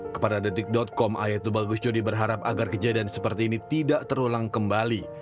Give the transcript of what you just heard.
kepada detik com ayat tubagus jodi berharap agar kejadian seperti ini tidak terulang kembali